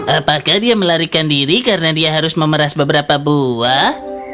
apakah dia melarikan diri karena dia harus memeras beberapa buah